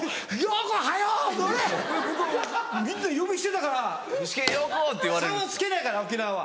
向こうみんな呼び捨てだから「さん」を付けないから沖縄は。